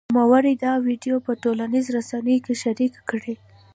نوموړي دا ویډیو په ټولنیزو رسنیو کې شرېکه کړې